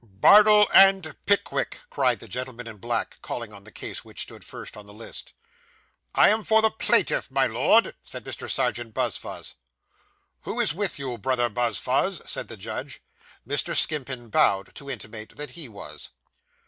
'Bardell and Pickwick,' cried the gentleman in black, calling on the case, which stood first on the list. 'I am for the plaintiff, my Lord,' said Mr. Serjeant Buzfuz. 'Who is with you, Brother Buzfuz?' said the judge. Mr. Skimpin bowed, to intimate that he was.